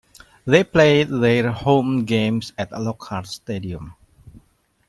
They played their home games at Lockhart Stadium.